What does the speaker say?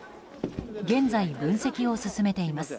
現在、分析を進めています。